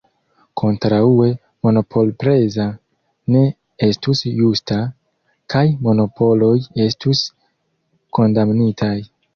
Kontraŭe, monopolprezo ne estus justa, kaj monopoloj estus kondamnitaj.